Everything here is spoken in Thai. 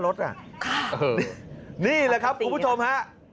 ค่ะปกติอย่างนั้นนี่แหละครับคุณผู้ชมฮะ